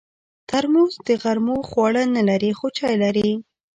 ترموز د غرمو خواړه نه لري، خو چای لري.